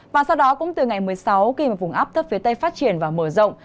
và sau đó cũng từ ngày một mươi sáu khi mà vùng ấp thấp phía tây phát triển và mờ rộng